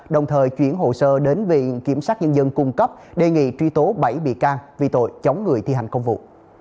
đồng thời chuyển hồ sơ đến viện kiểm sát nhân dân cung cấp đề nghị truy tố bảy bị can vì tội chống người thi hành công vụ